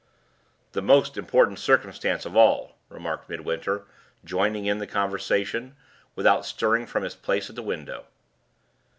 "The most important circumstance of all," remarked Midwinter, joining in the conversation, without stirring from his place at the window.